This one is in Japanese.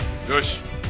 よし！